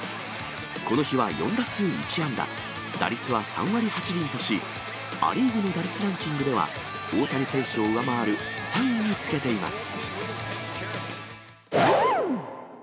この日は４打数１安打、打率は３割８厘とし、ア・リーグの打率ランキングでは、大谷選手を上回る３位につけています。